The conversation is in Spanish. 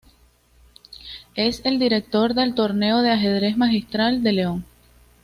Es el director del Torneo de Ajedrez Magistral de León.